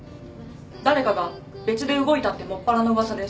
誰かが別で動いたってもっぱらの噂です。